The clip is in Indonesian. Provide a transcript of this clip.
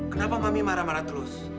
kenapa mami marah marah terus